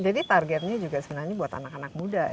jadi targetnya juga sebenarnya buat anak anak muda ya